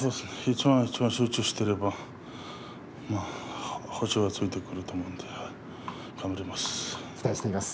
一番一番集中していれば星はついてくると思うんで頑張ります。